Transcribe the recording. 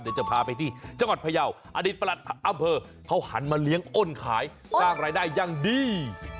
เดี๋ยวจะพาไปที่จังหวัดพยาวอดีตประหลัดอำเภอเขาหันมาเลี้ยงอ้นขายสร้างรายได้อย่างดี